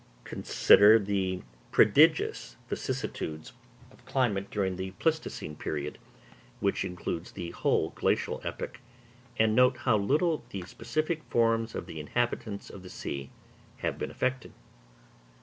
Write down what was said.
Consider the prodigious vicissitudes of climate during the pleistocene period, which includes the whole glacial epoch, and note how little the specific forms of the inhabitants of the sea have been affected.